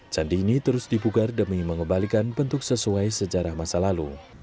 candi ini terus dipugar demi mengembalikan bentuk sesuai sejarah masa lalu